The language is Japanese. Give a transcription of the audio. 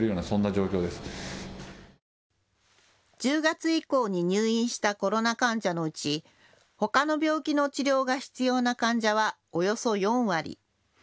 １０月以降に入院したコロナ患者のうち、ほかの病気の治療が必要な患者はおよそ４割。